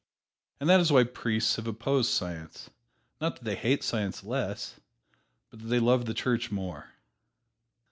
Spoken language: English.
And that is why priests have opposed Science, not that they hate Science less, but that they love the Church more.